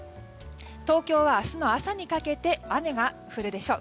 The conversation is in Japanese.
東京は明日の朝にかけて雨が降るでしょう。